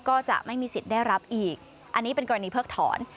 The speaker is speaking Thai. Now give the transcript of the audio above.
ก็จะไม่มีสิทธิ์ได้รับอีกอันนี้เป็นกรณีเพิกถอน